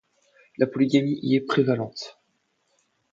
La polygamie y est prévalente.